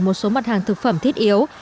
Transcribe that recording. một số mặt hàng thực phẩm thiết yếu